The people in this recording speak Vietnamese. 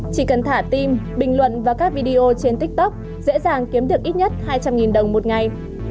chỉ cần thả tim bình luận vào các video trên tiktok dễ dàng kiếm được ít nhất hai trăm linh đồng một ngày